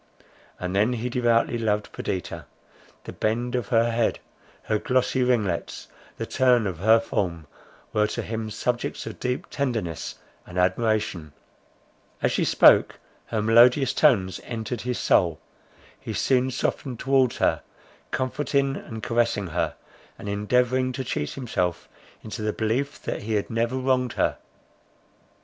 And then he devoutly loved Perdita; the bend of her head, her glossy ringlets, the turn of her form were to him subjects of deep tenderness and admiration; as she spoke, her melodious tones entered his soul; he soon softened towards her, comforting and caressing her, and endeavouring to cheat himself into the belief that he had never wronged her.